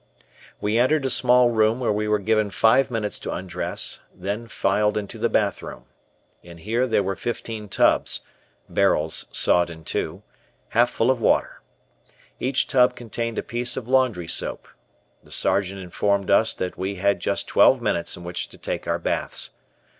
We entered a small room where we were given five minutes to undress, then filed into the bath room. In here there were fifteen tubs (barrels sawed in two) half full of water. Each tub contained a piece of laundry soap. The Sergeant informed us that we had just twelve minutes in which to take our baths.